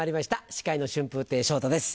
司会の春風亭昇太です